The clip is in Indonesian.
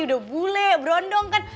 udah bule berondong kan